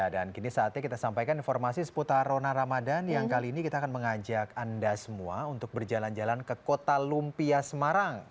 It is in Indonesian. dan kini saatnya kita sampaikan informasi seputar rona ramadan yang kali ini kita akan mengajak anda semua untuk berjalan jalan ke kota lumpia semarang